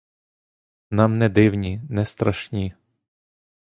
Нам не дивні, не страшні!